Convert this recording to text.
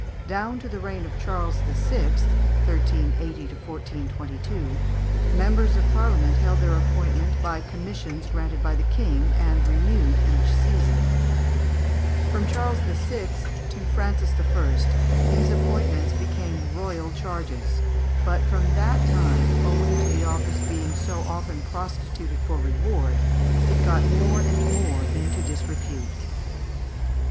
Down to the reign of Charles VI. (1380 1422) members of Parliament held their appointment by commissions granted by the King, and renewed eaeh session. From Charles VI. to Francis I. these appointments became royal charges; but from that time, owing to the office being so often prostituted for reward, it got more and more into disrepute.